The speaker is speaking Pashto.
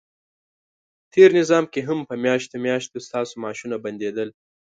تېر نظام کې هم په میاشتو میاشتو ستاسو معاشونه بندیدل،